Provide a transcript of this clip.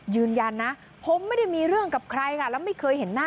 ยืนยันนะผมไม่ได้มีเรื่องกับใครค่ะแล้วไม่เคยเห็นหน้า